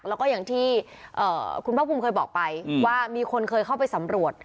แล้วก็อย่างที่คุณภาคภูมิเคยบอกไปว่ามีคนเคยเข้าไปสำรวจ